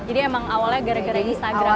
jadi emang awalnya gara gara instagram